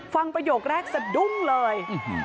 ประโยคแรกสะดุ้งเลย